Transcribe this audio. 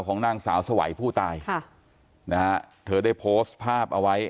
ของนางสาวสวัยผู้ตายค่ะนะฮะเธอได้โพสต์ภาพเอาไว้